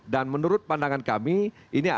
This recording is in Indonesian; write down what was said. dan menurut pandangan kami ini